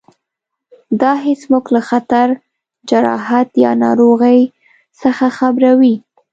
دا حس موږ له خطر، جراحت یا ناروغۍ څخه خبروي.